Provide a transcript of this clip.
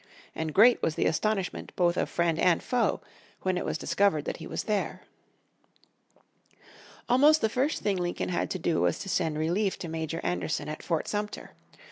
And great was the astonishment both of friend and foe when it was discovered that he was there. Almost the first thing Lincoln had to do was to send relief to Major Anderson at Fort Sumter.